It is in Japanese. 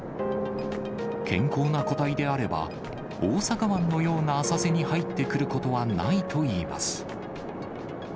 健康な個体であれば、大阪湾のような浅瀬に入ってくることはないといいます。